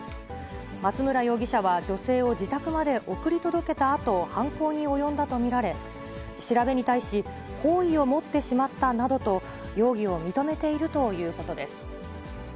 松村容疑者は女性を自宅まで送り届けたあと、犯行に及んだと見られ、調べに対し、好意を持ってしまったなどと容疑を認めているということです。